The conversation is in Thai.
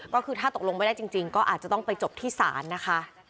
ก็คือถ้าตกลงไม่ได้จริงก็อาจจะต้องไปจบที่ศาลนะคะ